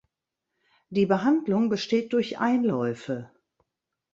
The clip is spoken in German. Die Behandlung besteht durch Einläufe.